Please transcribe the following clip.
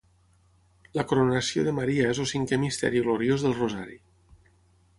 La Coronació de Maria és el cinquè misteri gloriós del Rosari.